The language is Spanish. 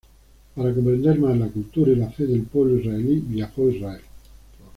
Para comprender más la cultura y la fe del pueblo israelí, viajó a Israel.